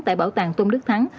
tại bảo tàng tôn đức thắng